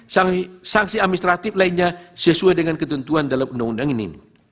dan juga saksi administratif lainnya sesuai dengan ketentuan dalam undang undang ini